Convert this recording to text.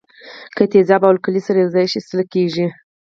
که تیزاب او القلي سره یوځای شي څه کیږي.